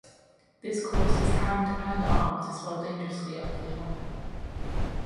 This caused his hand and arm to swell dangerously up to the armpit.